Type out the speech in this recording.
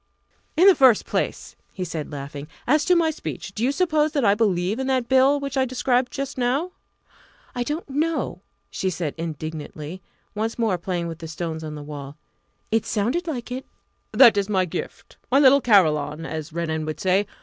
"In the first place," he said, laughing, "as to my speech, do you suppose that I believe in that Bill which I described just now?" "I don't know," she said indignantly, once more playing with the stones on the wall. "It sounded like it." "That is my gift my little carillon, as Renan would say.